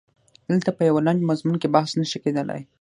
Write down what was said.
دلته په یوه لنډ مضمون کې بحث نه شي کېدلای.